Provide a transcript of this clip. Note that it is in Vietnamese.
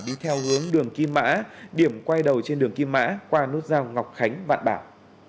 đi theo hướng đường kim mã điểm quay đầu trên đường kim mã qua nút giao ngọc khánh vạn bảo